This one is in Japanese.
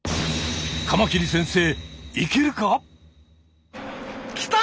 カマキリ先生いけるか！？来た！